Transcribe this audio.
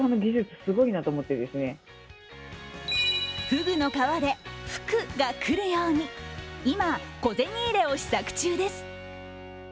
フグの皮で福がくるように今、小銭入れを試作中です。